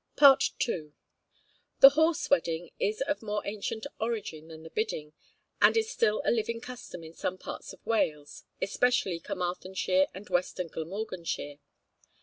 II. The Horse Wedding is of more ancient origin than the Bidding, and is still a living custom in some parts of Wales, especially Carmarthenshire and western Glamorganshire.